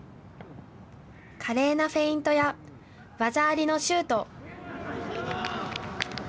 華麗なフェイントや、技ありのシュート。